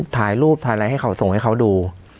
ถ่ายรูปถ่ายอะไรให้เขาส่งให้เขาดู